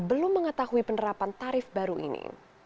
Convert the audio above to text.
belum mengetahui penerapan tarif baru ini